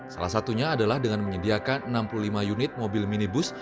salah satunya adalah dengan menyediakan enam puluh lima unit mobil minibus